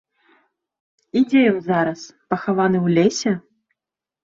І дзе ён зараз, пахаваны ў лесе?